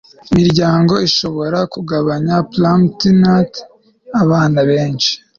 imiryango ishobora kugabanya plumpy'nut abana benshi